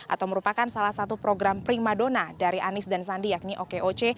atau merupakan salah satu program prima dona dari anies dan sandi yakni okoc